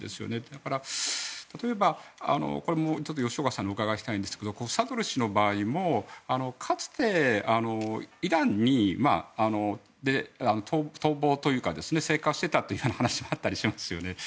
だから、例えばこれも吉岡さんに伺いたいんですがサドル師の場合もかつてイランで逃亡というか生活していたという話があったりしますよね。